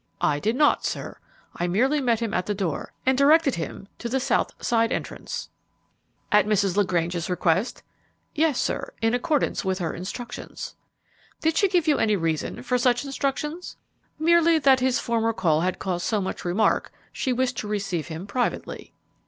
"I did not, sir. I merely met him at the door and directed him to the south side entrance." "At Mrs. LaGrange's request?" "Yes, sir; in accordance with her instructions." "Did she give any reason for such instructions?" "Merely that his former call had caused so much remark she wished to receive him privately."